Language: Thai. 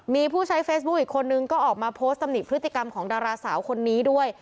มีผู้ใช้เฟซบุ๊คอีกคนนึงก็ออกมาโพสต์ตำหนิพฤติกรรมของดาราสาวคนนี้ด้วย